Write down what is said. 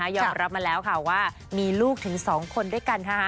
ยอมรับมาแล้วค่ะว่ามีลูกถึง๒คนด้วยกันค่ะ